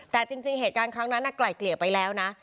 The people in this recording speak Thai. แต่จริงเหตุการณ์ครั้งนั้นไกล่เกลี่ยไปแล้วนะ